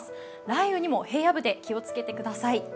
雷雨にも平野部で気を付けてください。